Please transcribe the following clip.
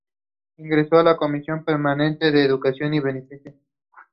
Communication facilities is available in the town.